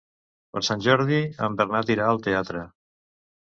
Per Sant Jordi en Bernat irà al teatre.